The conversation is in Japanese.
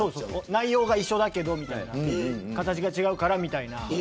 内容が一緒だけど、みたいな形が違うからみたいな。